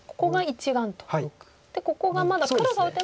ここがまだ黒が打てば。